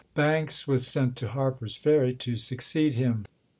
Banks was sent to Har per's Ferry to succeed him.